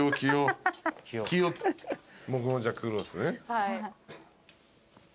はい。